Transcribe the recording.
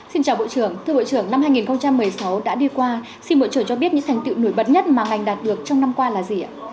xin chào bộ trưởng thưa bộ trưởng năm hai nghìn một mươi sáu đã đi qua xin bộ trưởng cho biết những thành tựu nổi bật nhất mà ngành đạt được trong năm qua là gì ạ